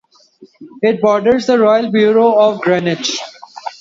It borders the Royal Borough of Greenwich.